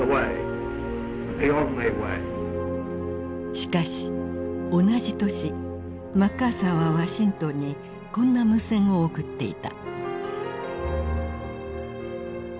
しかし同じ年マッカーサーはワシントンにこんな無線を送っていた。